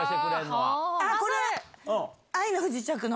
これ、愛の不時着の。